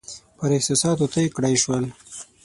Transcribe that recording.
پر احساساتو طی کړای شول.